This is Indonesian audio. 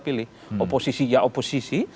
pilih oposisi ya oposisi